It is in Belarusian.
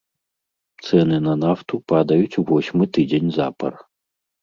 Цэны на нафту падаюць восьмы тыдзень запар.